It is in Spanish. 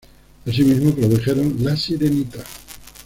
Asimismo, produjeron "La sirenita".